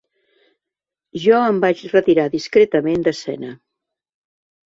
Jo em vaig retirar discretament d'escena.